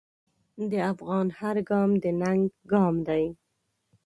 د افغان هر ګام د ننګ ګام دی.